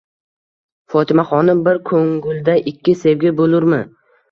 Fotimaxonim, bir ko'ngulda ikki sevgi bo'lurmi?